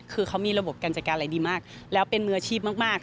คือเขามีระบบการจัดการอะไรดีมากแล้วเป็นมืออาชีพมาก